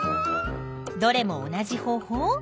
どれも同じ方法？